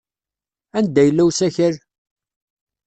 Anda yella usakal?